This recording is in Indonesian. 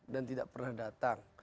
dan tidak pernah datang